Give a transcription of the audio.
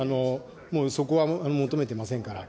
もうそこは求めてませんから。